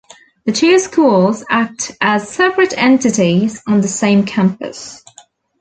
The two schools act as separate entities on the same campus.